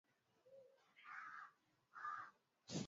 za kuyapokea matokeo hayo ambapo asilimia tisini na tisa